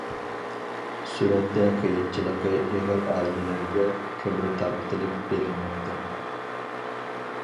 سۈرەتتە: قىيىنچىلىقى ئېغىر ئائىلىلەرگە كۆمۈر تارقىتىپ بېرىلمەكتە.